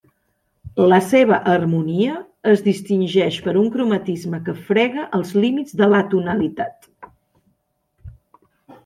La seva harmonia es distingeix per un cromatisme que frega els límits de l'atonalitat.